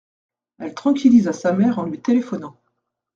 Elle tranquillisa sa mère en lui téléphonant.